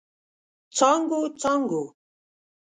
څانګو، څانګو